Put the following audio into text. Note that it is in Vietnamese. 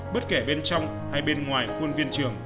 bất kể bên trong hay bên ngoài khuôn viên trường